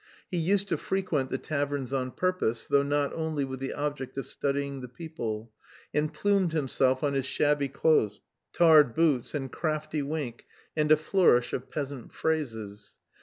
He used to frequent the taverns on purpose (though not only with the object of studying the people), and plumed himself on his shabby clothes, tarred boots, and crafty wink and a flourish of peasant phrases.